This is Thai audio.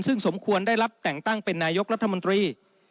ซึ่งสมควรได้รับแต่งตั้งเป็นนายกรัฐมนตรี